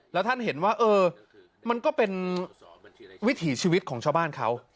แล้วท่านเห็นว่าเออมันก็เป็นวิถีชีวิตของชาวบ้านเขา